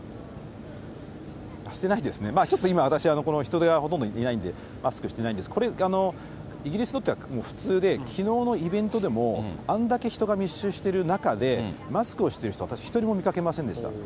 してないですね、ちょっと今、私は人がいないんで、マスクしてないんですけど、イギリスにとっては普通で、きのうのイベントでも、あんだけ人が密集してる中で、マスクをしている人を、私は一人も見かけませんでした。